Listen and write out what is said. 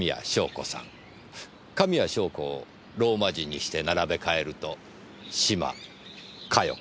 神谷祥子をローマ字にして並べ替えると島加代子。